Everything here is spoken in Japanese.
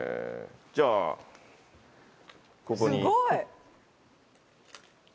じゃあここに。